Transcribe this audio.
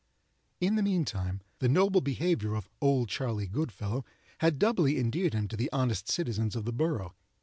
In the meantime, the noble behavior of "Old Charley Goodfellow," had doubly endeared him to the honest citizens of the borough.